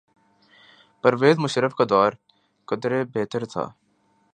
پرویز مشرف کا دور قدرے بہتر تھا۔